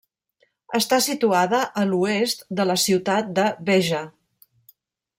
Està situada a l'oest de la ciutat de Béja.